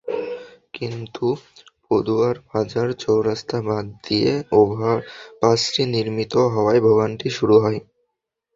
কিন্তু পদুয়ার বাজার চৌরাস্তা বাদ দিয়ে ওভারপাসটি নির্মিত হওয়ায় ভোগান্তি শুরু হয়।